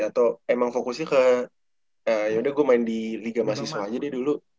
atau emang fokusnya ke yaudah gue main di liga mahasiswa aja deh dulu